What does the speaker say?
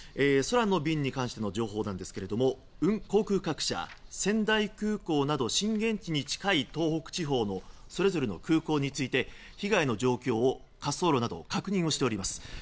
空の便に関しての情報ですが航空各社、仙台空港など震源地に近い東北地方のそれぞれの空港について被害の状況を滑走路など確認をしております。